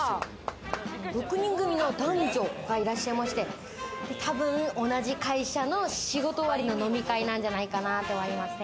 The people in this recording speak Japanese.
６人組の男女がいらっしゃいまして、たぶん同じ会社の仕事終わりの飲み会なんじゃないかなって思いますね。